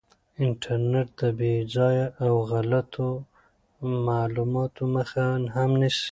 انټرنیټ د بې ځایه او غلطو معلوماتو مخه هم نیسي.